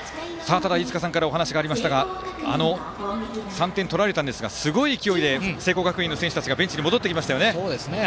ただ飯塚さんからお話がありましたが３点取られたんですがすごい勢いで聖光学院の選手たちがベンチに戻っていきましたね。